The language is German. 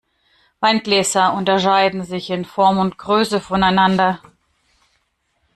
Weingläser unterscheiden sich in Form und Größe voneinander.